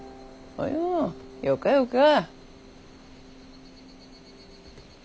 およよかよか。